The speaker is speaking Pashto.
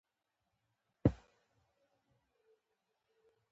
د اردن یو مشهور شاعر دی.